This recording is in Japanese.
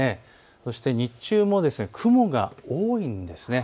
そして日中も雲が多いんです。